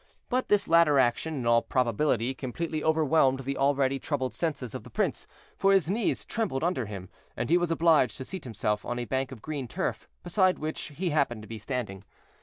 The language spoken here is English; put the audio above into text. But this latter action, in all probability, completely overwhelmed the already troubled senses of the prince, for his knees trembled under him, and he was obliged to seat himself on a bank of green turf, beside which he happened to be standing.